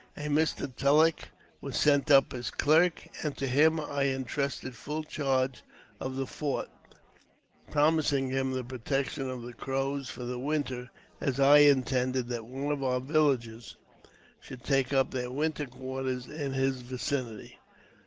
A Mr. Tulleck was sent up as clerk, and to him I intrusted full charge of the fort, promising him the protection of the Crows for the winter, as I intended that one of our villages should take up their winter quarters in his vicinity.